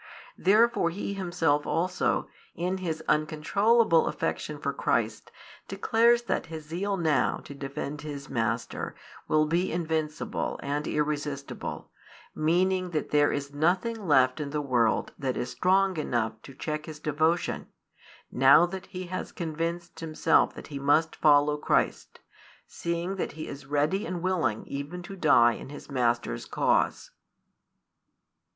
Therefore he himself also, in his uncontrollable affection for Christ, declares that his zeal now to defend his Master will be invincible and irresistible, meaning that there is nothing left in the world that is strong enough to check his devotion, now that he has convinced himself that he must follow Christ, seeing that he is ready and willing even to die in his Master's cause.